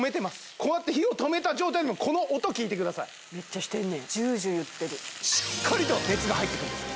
こうやって火を止めた状態でもめっちゃしてんねんジュージューいってるしっかりと熱が入ってくんです